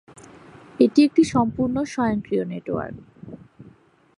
এটি একটি সম্পূর্ণ স্বয়ংক্রিয় নেটওয়ার্ক।